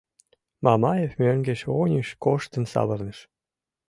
Мамаев мӧҥгеш-оньыш коштын савырныш.